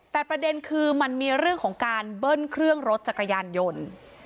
แต่ประเด็นคือมันมีเรื่องของการเบิ้ลเครื่องรถจักรยานยนต์